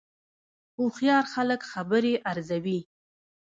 هوښیار خلک خبرې ارزوي